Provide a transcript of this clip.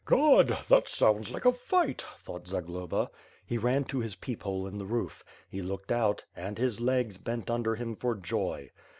"God, that sounds like a light," thought Zagloba. He ran to his peep hole in the roof. He looked out — and his legs bent under him for joy.